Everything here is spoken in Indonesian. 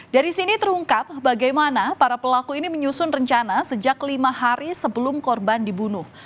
dari sini terungkap bagaimana para pelaku ini menyusun rencana sejak lima hari sebelum korban dibunuh